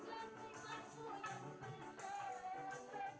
membuat aku raibah ku kebayang